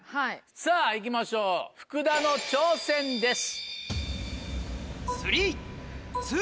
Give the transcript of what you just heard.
さぁいきましょう福田の挑戦です。